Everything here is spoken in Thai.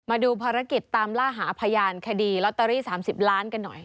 มาดูภารกิจตามล่าหาพยานคดีลอตเตอรี่๓๐ล้านกันหน่อย